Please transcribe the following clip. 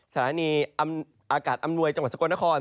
สถานีอากาศอำนวยจังหวัดสกลนคร